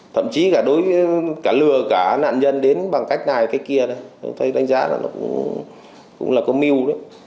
thậm chí cả lừa cả nạn nhân đến bằng cách này cách kia đánh giá cũng là có mưu